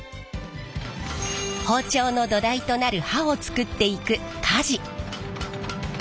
包丁の土台となる刃をつくっていく鍛冶。